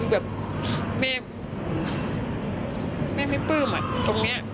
แบบแม่แม่ไม่ปลื้มอ่ะตรงเนี้ย